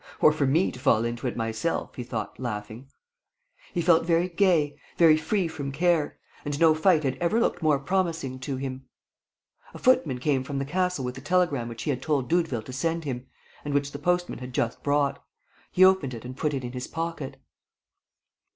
"Or for me to fall into it myself," he thought, laughing. He felt very gay, very free from care; and no fight had ever looked more promising to him. A footman came from the castle with the telegram which he had told Doudeville to send him and which the postman had just brought. He opened it and put it in his pocket.